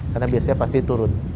karena biasanya pasti turun